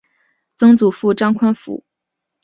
曾祖父张宽甫。